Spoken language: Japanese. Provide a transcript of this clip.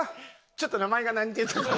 ちょっと名前がなんて？